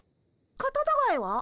カタタガエは？